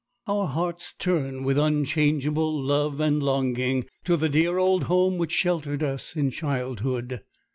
Our hearts turn with unchangeable love and longing to the dear old home which sheltered us in childhood.